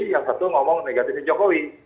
yang satu ngomong negatifnya jokowi